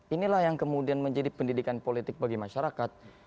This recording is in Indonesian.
inilah yang kemudian menjadi pendidikan politik bagi masyarakat